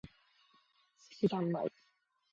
寿司ざんまい